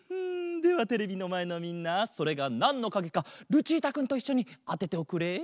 ではテレビのまえのみんなそれがなんのかげかルチータくんといっしょにあてておくれ。